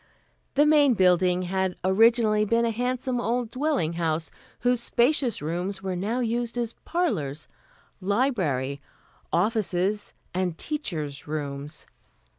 The Main Building had originally been a handsome old dwelling house, whose spacious rooms were now used as parlors, library, offices and teachers' rooms.